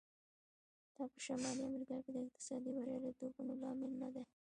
دا په شمالي امریکا کې د اقتصادي بریالیتوبونو لامل نه دی.